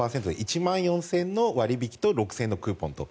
３５％で１万４０００円の割引と６０００円のクーポンと。